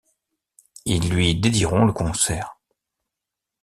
Ils lui dédieront le concert.